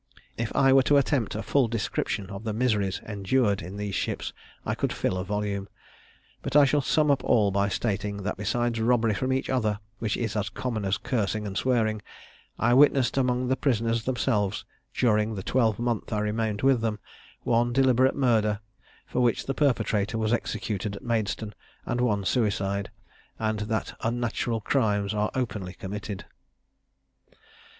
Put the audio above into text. If I were to attempt a full description of the miseries endured in these ships, I could fill a volume; but I shall sum up all by stating that besides robbery from each other, which is as common as cursing and swearing, I witnessed among the prisoners themselves, during the twelvemonth I remained with them, one deliberate murder, for which the perpetrator was executed at Maidstone, and one suicide; and that unnatural crimes are openly committed."